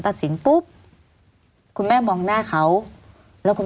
ไม่มีครับไม่มีครับ